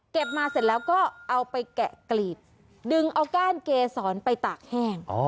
มาเสร็จแล้วก็เอาไปแกะกลีบดึงเอาก้านเกษรไปตากแห้ง